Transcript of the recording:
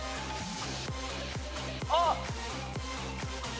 あっ！